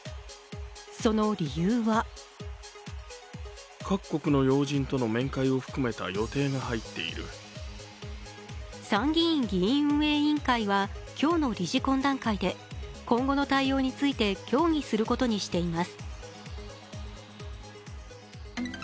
その理由は参議院・議院運営委員会は今日の理事懇談会で、今後の対応について協議することにしています。